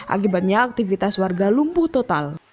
akibatnya aktivitas warga lumpuh total